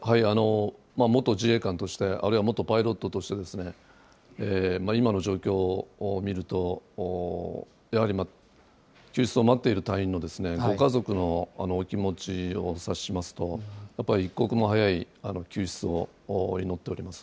元自衛官として、あるいは元パイロットとしてですね、今の状況を見ると、やはり救出を待っている隊員のご家族のお気持ちを察しますと、やっぱり一刻も早い救出を祈っております。